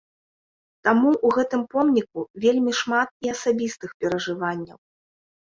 Таму ў гэтым помніку вельмі шмат і асабістых перажыванняў.